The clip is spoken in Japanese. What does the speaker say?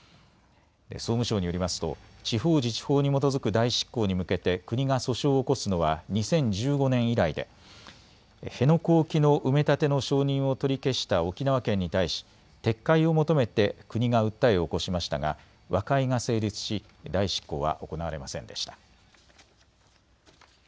総務省によりますと地方自治法に基づく代執行に向けて国が訴訟を起こすのは２０１５年以来で辺野古沖の埋め立ての承認を取り消した沖縄県に対し撤回を求めて国が訴えを起こしましたが、和解が成立し代執行は行われませんでした。